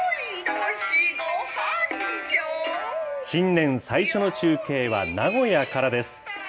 新年最初の中継は名古屋からです。